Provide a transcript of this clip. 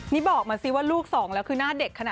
นี่บอกมาสิว่าลูกสองแล้วคือหน้าเด็กขนาด